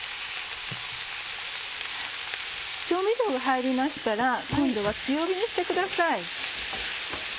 調味料が入りましたら今度は強火にしてください。